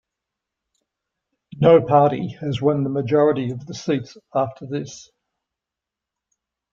No party has won the majority of the seats after this.